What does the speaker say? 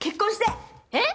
えっ！？